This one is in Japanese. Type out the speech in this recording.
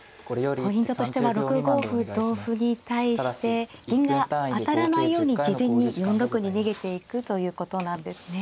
ポイントとしては６五歩同歩に対して銀が当たらないように事前に４六に逃げていくということなんですね。